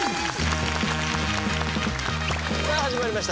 さあ始まりました